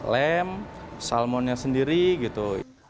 lem salmonnya sendiri gitu